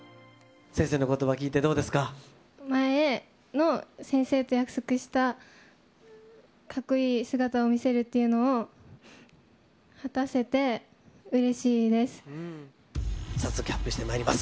先生のことば聞いて、どうで前の、先生と約束したかっこいい姿を見せるっていうのを果たせてうれしいです。